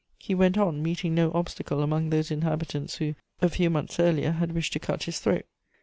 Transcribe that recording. He went on, meeting no obstacle among those inhabitants who, a few months earlier, had wished to cut his throat.